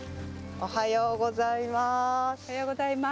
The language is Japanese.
おはようございます。